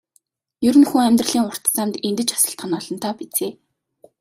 Ер нь хүн амьдралын урт замд эндэж осолдох нь олонтоо биз.